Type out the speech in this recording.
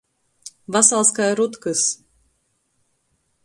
Vasals kai rutkys.